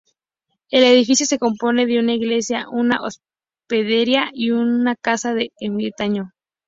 El edificio se compone de una iglesia, una hospedería y una Casa del Ermitaño.